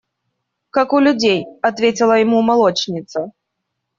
– Как у людей, – ответила ему молочница.